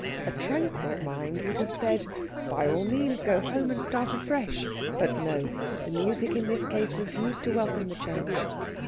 A tranquil mind would have said, "By all means, go home and start afresh." But no; the music in this case refused to welcome the change.